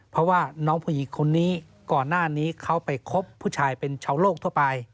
เพราะว่าน้องผู้หญิงคนนี้ก่อนหน้านี้เขาไปคบผู้ชายเป็นชาวโลกทั่วไป